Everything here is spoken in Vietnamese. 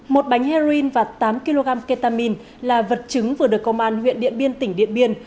một bánh heroin và tám kg ketamine là vật chứng vừa được công an huyện điện biên tỉnh điện biên